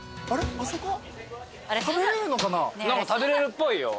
何か食べれるっぽいよ。